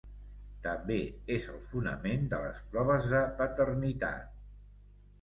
També és el fonament de les proves de paternitat.